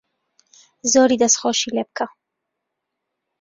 زۆری دەسخۆشی لێ بکە